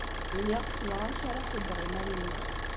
Lliɣ ssneɣ amek ara ḥuddeɣ iman-inu.